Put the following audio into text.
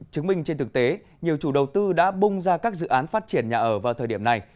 chứng minh trên thực tế nhiều chủ đầu tư đã bung ra các dự án phát triển nhà ở vào thời điểm này